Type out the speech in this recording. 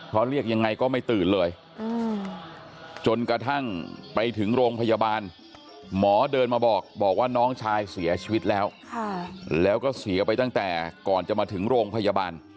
เพราะเรียกยังไงก็ไม่ตื่นเลยจนกระทั่งไปถึงโรงพยาบาลหมอเดินมาบอกบอกว่าน้องชายเสียชีวิตแล้วแล้วก็เสียไปตั้งแต่ก่อนจะมาถึงโรงพยาบาล